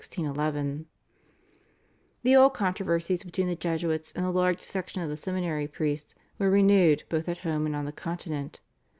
The old controversies between the Jesuits and a large section of the seminary priests were renewed both at home and on the Continent.